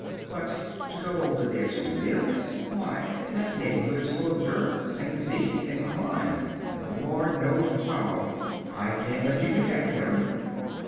"But to go over there to live! Why, that neighborhood's full of dirt, and disease, and crime, and the Lord knows what all. I can't let you do that, Carrie."